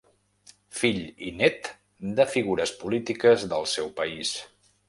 Fill i nét de figures polítiques del seu país.